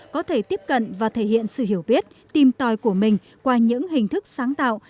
có thể tiếp cận và thể hiện sự hiểu biết tìm tòi của mình qua những hình thức sáng tạo